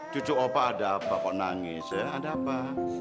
cucu opa ada apa kok nangis ya ada apa